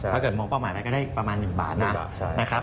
ถ้าเกิดมองเป้าหมายไปก็ได้ประมาณ๑บาทนะครับ